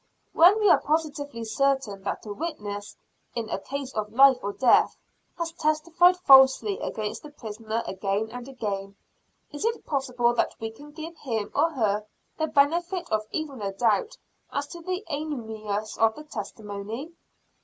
When we are positively certain that a witness, in a case of life or death, has testified falsely against the prisoner again and again, is it possible that we can give him or her the benefit of even a doubt as to the animus of the testimony?